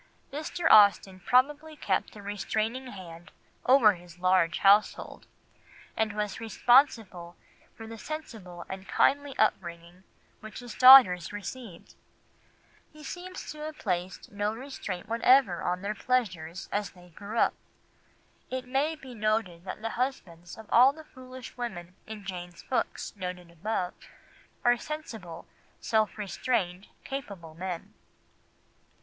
Mr. Austen probably kept a restraining hand over his large household, and was responsible for the sensible and kindly upbringing which his daughters received; he seems to have placed no restraint whatever on their pleasures as they grew up. It may be noted that the husbands of all the foolish women in Jane's books noted above are sensible, self restrained, capable men.